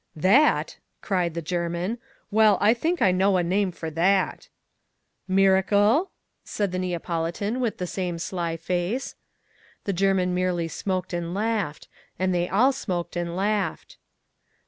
'That!' cried the German. 'Well, I think I know a name for that.' 'Miracle?' said the Neapolitan, with the same sly face. The German merely smoked and laughed; and they all smoked and laughed.